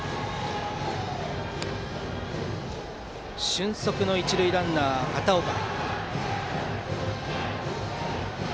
俊足の一塁ランナー、片岡。